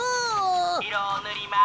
いろをぬります。